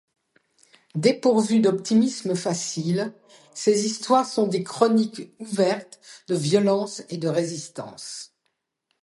Dépourvues d'optimisme facile, ses histoires sont des chroniques ouvertes de violence et de résistance.